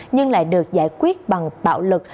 nhưng lại được giải quyết bằng bạo lực